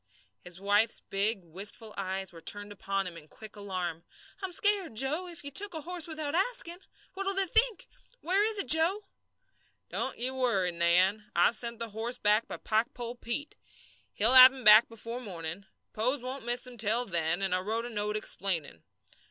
His wife's big, wistful eyes were turned upon him in quick alarm. "I'm scared, Joe, if you took a horse without asking. What'll they think? Where is it, Joe?" "Don't ye worry, Nan. I've sent the horse back by Pikepole Pete. He'll have him back before morning Pose won't miss him till then and I wrote a note explaining.